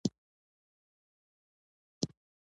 هغه چیرې ده؟